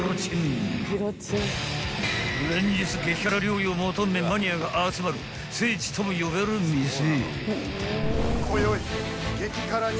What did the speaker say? ［連日激辛料理を求めマニアが集まる聖地とも呼べる店］